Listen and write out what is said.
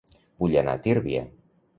Vull anar a Tírvia